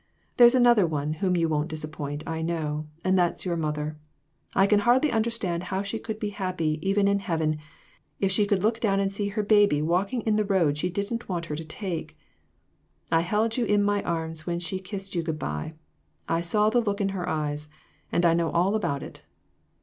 There's another one whom you won't disappoint, I know ; and that's your mother. I can hardly understand how she could be happy, even in heaven, if she could look down and see her baby walking in the road she didn't want her to take. I held you in my arms when she kissed you good by ; I saw the look in her eyes, and I know all about it."